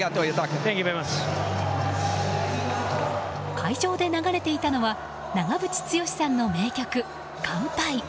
会場で流れていたのは長渕剛さんの名曲「乾杯」。